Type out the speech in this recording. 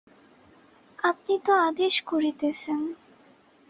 আপনি তো আদেশ করিতেছেন?